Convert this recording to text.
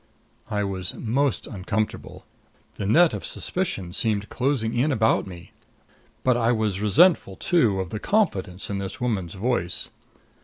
I was most uncomfortable. The net of suspicion seemed closing in about me. But I was resentful, too, of the confidence in this woman's voice.